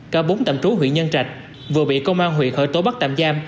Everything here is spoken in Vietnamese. cả bốn tạm trú huyện nhân trạch vừa bị công an huyện khởi tố bắt tạm giam